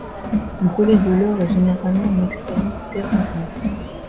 Brûler de l'or est généralement une expérience dérangeante.